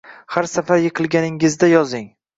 Har safar yiqilganingizda yozing.